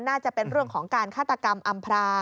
น่าจะเป็นเรื่องของการฆาตกรรมอำพรา